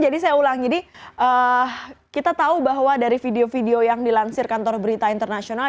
jadi saya ulang kita tahu bahwa dari video video yang dilansir kantor berita internasional